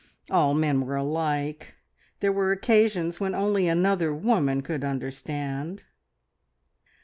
All men were alike. There were occasions when only another woman could understand.